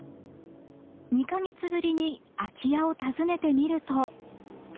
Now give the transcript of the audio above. ２か月ぶりに空き家を訪ねてみると。